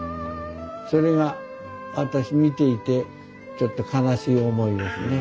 それが私見ていてちょっと悲しい思いですね。